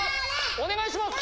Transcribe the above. お願いします！